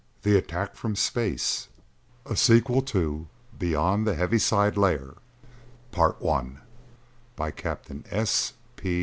_] The Attack from Space A SEQUEL TO "BEYOND THE HEAVISIDE LAYER" _By Captain S. P.